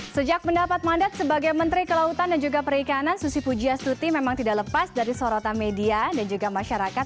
sejak mendapat mandat sebagai menteri kelautan dan juga perikanan susi pujiastuti memang tidak lepas dari sorotan media dan juga masyarakat